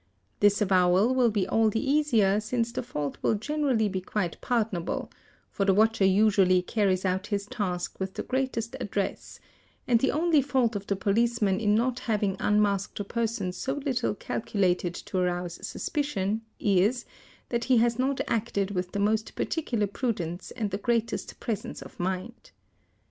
This avowal will be all the easier since the fault will gener \ ally be quite pardonable, for the watcher usually carries out his task with the greatest address ; and the only fault of the policeman in not having unmasked a person so little calculated to arouse suspicion is, that he has not acted with the most particular prudence and the greatest presence of mind.